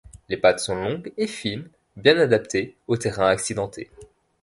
Les pattes sont longues et fines, bien adaptées au terrain accidenté.